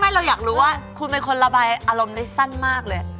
เราอยากรู้ว่าคุณเป็นคนระบายอารมณ์ได้สั้นมากเลย